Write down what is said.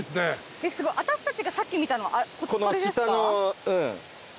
私たちがさっき見たのこれですか？